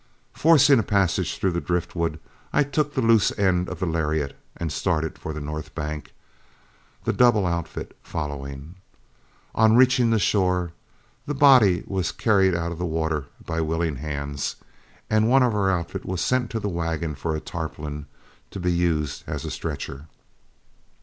Forcing a passage through the driftwood, I took the loose end of the lariat and started for the north bank, the double outfit following. On reaching the shore, the body was carried out of the water by willing hands, and one of our outfit was sent to the wagon for a tarpaulin to be used as a stretcher.